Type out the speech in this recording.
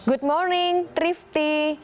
selamat pagi trifty